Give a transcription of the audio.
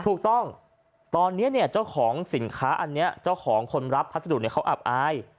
ถูกต้องตอนนี้เนี่ยเจ้าของสินค้าอันนี้เจ้าของคนรับพัสดุเขาอับอาย